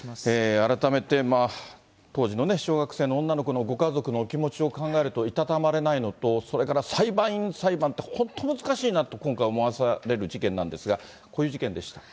改めて、当時のね、小学生の女の子のご家族のお気持ちを考えると、いたたまれないのと、それから裁判員裁判って、本当、難しいなと今回、思わされる事件なんですが、こういう事件でした。